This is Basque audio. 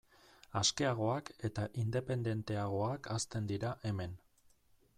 Askeagoak eta independenteagoak hazten dira hemen.